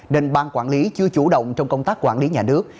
nên bang quản lý chưa chủ động trong công tác quản lý nhà nước